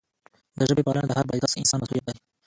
د ژبې پالنه د هر با احساسه انسان مسؤلیت دی.